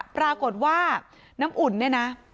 ปรากฏว่าน้ำอุ่นเนี่ยนะ